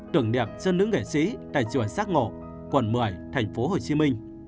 tưởng niệm cho nữ nghệ sĩ tại chùa xác ngộ quận một mươi tp hcm